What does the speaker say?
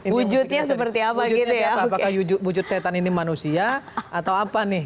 wujudnya siapa apakah wujud setan ini manusia atau apa nih